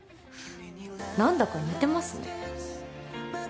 何だか似てますね。